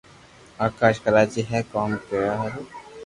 آڪاݾ ڪراچي ھي ڪوم ڪريا ھارون